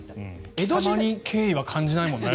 貴様に敬意は感じないもんね。